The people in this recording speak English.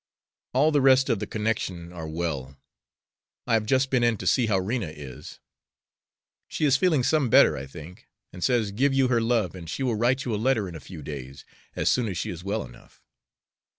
All the rest of the connection are well. I have just been in to see how Rena is. She is feeling some better, I think, and says give you her love and she will write you a letter in a few days, as soon as she is well enough.